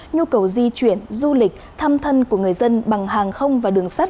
nhu cầu di chuyển du lịch thăm thân của người dân bằng hàng không và đường sắt